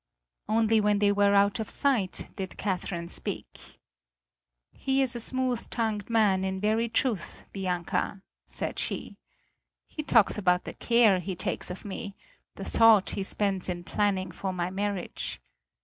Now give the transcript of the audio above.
Only when they were out of sight did Catherine speak. "He is a smooth tongued man in very truth, Bianca," said she. "He talks about the care he takes of me, the thought he spends in planning for my marriage.